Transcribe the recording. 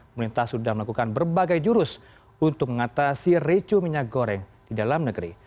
pemerintah sudah melakukan berbagai jurus untuk mengatasi recu minyak goreng di dalam negeri